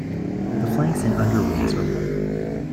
The flanks and underwings are white.